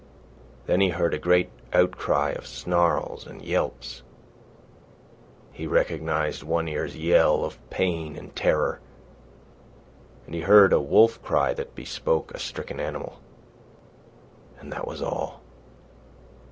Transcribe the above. Then he heard a great outcry of snarls and yelps. He recognised One Ear's yell of pain and terror, and he heard a wolf cry that bespoke a stricken animal. And that was all.